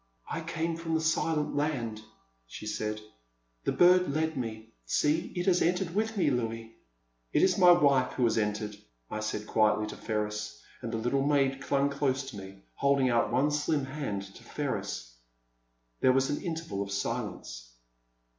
I came from the Silent Land, she said ; the bird lead me ; see, it has entered with me, lyouis. It is my wife who has entered,* * I said quietly to Ferris, and the little maid clung close to me, holding out one slim hand to Ferris. There was an interval of silence.